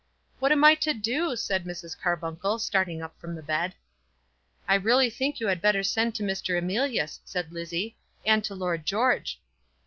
"What am I to do?" said Mrs. Carbuncle, starting up from the bed. "I really think you had better send to Mr. Emilius," said Lizzie; "and to Lord George."